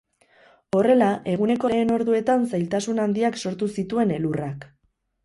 Horrela, eguneko lehen orduetan zailtasun handiak sortu zituen elurrak.